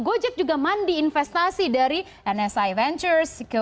gojek juga mandi investasi dari nsi ventures